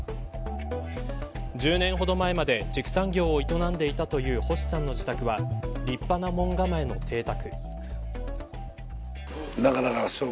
１０年ほど前まで畜産業を営んでいたという星さんの自宅は立派な門構えの邸宅。